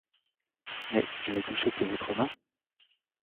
Mais je n'ai touché que votre main.